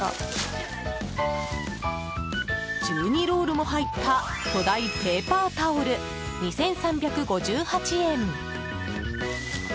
１２ロールも入った巨大ペーパータオル、２３５８円。